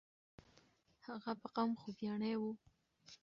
هغه په قوم خوګیاڼی وو.